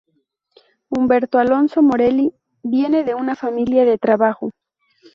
Humberto Alonso Morelli viene de una familia de trabajo.